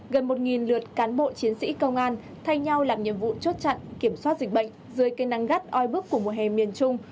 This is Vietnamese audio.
gần một lượt cán bộ chiến sĩ công an thay nhau làm nhiệm vụ chốt chặn kiểm soát dịch bệnh dưới cây nắng gắt oi bức của mùa hè miền trung